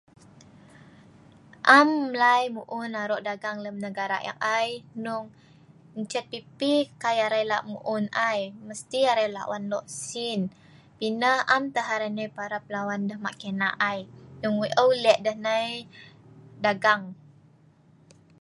Am mlai mu'un aro' dagang lem negara ek ai hnong encet pipi kai arai lah' mu'un ai. Mesti arai lah' wan lo' sin. Pi nah am tah arai parap la'wan deh kina ai, hnong wei' eu' Leh deh dagang.